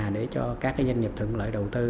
để cho các doanh nghiệp thụ lợi đầu tư